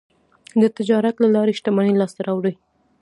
د تجارت له لارې شتمني لاسته راوړي.